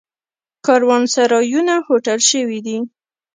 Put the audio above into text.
کاروانسرایونه هوټل شوي دي.